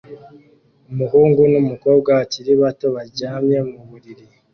Umuhungu n'umukobwa bakiri bato baryamye mu buriri